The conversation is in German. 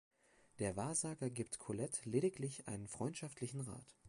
Der Wahrsager gibt Colette lediglich einen freundschaftlichen Rat.